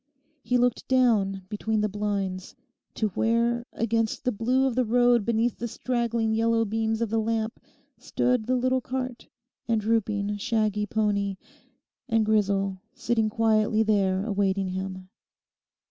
He looked down between the blinds to where against the blue of the road beneath the straggling yellow beams of the lamp stood the little cart and drooping, shaggy pony, and Grisel sitting quietly there awaiting him.